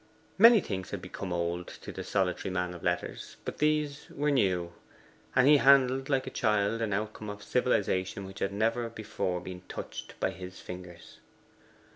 Many things had become old to the solitary man of letters, but these were new, and he handled like a child an outcome of civilization which had never before been touched by his fingers.